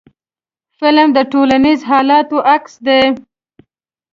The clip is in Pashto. فلم د ټولنیزو حالاتو عکس دی